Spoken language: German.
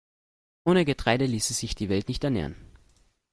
Ohne Getreide ließe sich die Welt nicht ernähren.